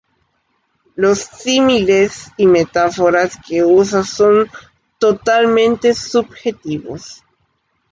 Los símiles y metáforas que usa son totalmente subjetivos.